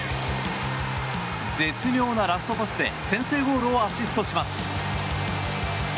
絶妙なラストパスで先制ゴールをアシストします。